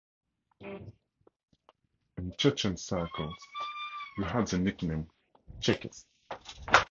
In Chechen circles he had the nickname "Chekist".